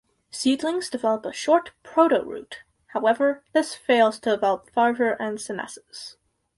Seedlings develop a short protoroot; however, this fails to develop further and senesces.